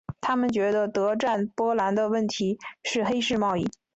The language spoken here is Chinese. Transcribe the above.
他们觉得德占波兰的问题是黑市贸易。